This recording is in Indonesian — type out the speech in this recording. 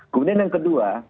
kemudian yang kedua